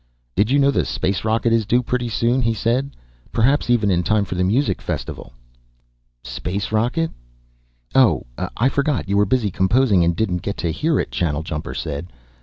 "Did you know the space rocket is due pretty soon," he said, "perhaps even in time for the Music Festival?" "Space rocket?" "Oh, I forgot you were busy composing and didn't get to hear about it," Channeljumper said.